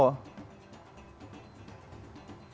oke kalau bru sudah berapa lama ditugaskan di kongo